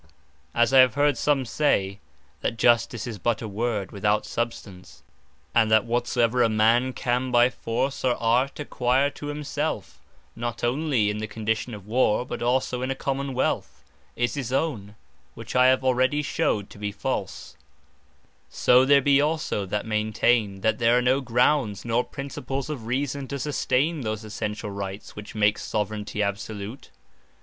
Objection Of Those That Say There Are No Principles Of Reason For Absolute Soveraignty As I have heard some say, that Justice is but a word, without substance; and that whatsoever a man can by force, or art, acquire to himselfe, (not onely in the condition of warre, but also in a Common wealth,) is his own, which I have already shewed to be false: So there be also that maintain, that there are no grounds, nor Principles of Reason, to sustain those essentiall Rights, which make Soveraignty absolute.